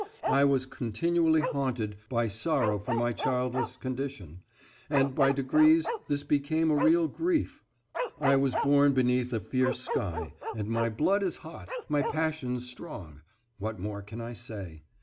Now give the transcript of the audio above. I was continually haunted by sorrow for my childless condition, and by degrees this became a real grief. I was born beneath a fierce sky, and my blood is hot, my passions strong. What more can I say?